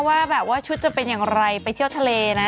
ว่าแบบว่าชุดจะเป็นอย่างไรไปเที่ยวทะเลนะ